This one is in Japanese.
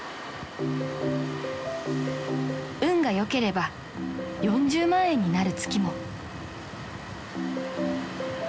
［運が良ければ４０万円になる月も］